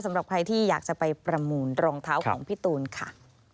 สำหรับใครที่อยากจะไปประมูลรองเท้าของพี่ตูนค่ะ